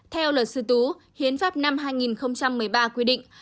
theo luật sư tú hiến pháp năm hai nghìn một mươi ba quy định